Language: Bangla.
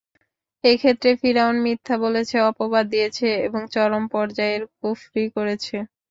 এক্ষেত্রে ফিরআউন মিথ্যা বলেছে, অপবাদ দিয়েছে এবং চরম পর্যায়ের কুফরী করেছে।